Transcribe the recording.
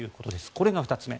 これが２つ目。